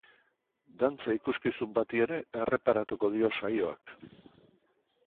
Dantza ikuskizun bati ere erreparatuko dio saioak.